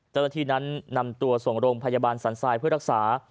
เจ้าหน้าที่นั้นนำตัวส่งโรงพยาบาลสันทรายเพื่อรักษา